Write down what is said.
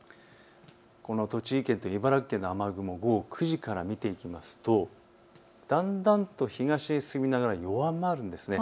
栃木県と茨城県の雨雲、午後９時から見ていきますとだんだんと東へ進みながら弱まるんです。